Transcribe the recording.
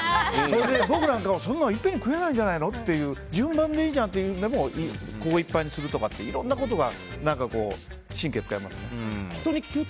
僕なんかもそれいっぺんに食えないんじゃないの順番でいいじゃんってここいっぱいにするとかいろんなことが神経使いますね。